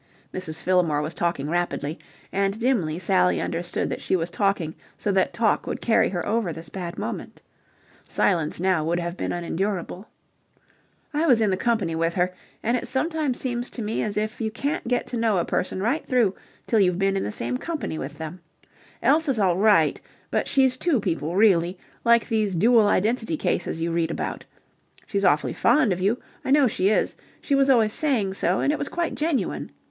Mrs. Fillmore was talking rapidly, and dimly Sally understood that she was talking so that talk would carry her over this bad moment. Silence now would have been unendurable. "I was in the company with her, and it sometimes seems to me as if you can't get to know a person right through till you've been in the same company with them. Elsa's all right, but she's two people really, like these dual identity cases you read about. She's awfully fond of you. I know she is. She was always saying so, and it was quite genuine.